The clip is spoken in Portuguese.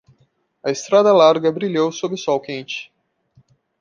A estrada larga brilhou sob o sol quente.